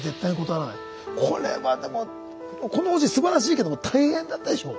これはでもこの方針すばらしいけども大変だったでしょう？